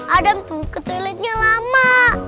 kadang tuh ke toiletnya lama